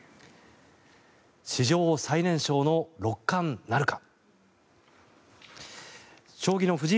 史上最年少の六冠なるか。